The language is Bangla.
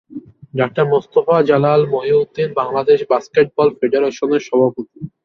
ডাক্তার মোস্তফা জালাল মহিউদ্দিন বাংলাদেশ বাস্কেটবল ফেডারেশনের সভাপতি।